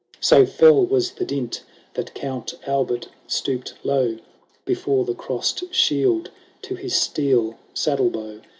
So fell was the dint, that Count Albert stooped low Before the crossed shield, to his steel saddle bow